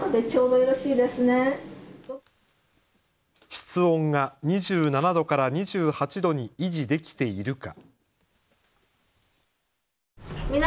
室温が２７度から２８度に維持できているか。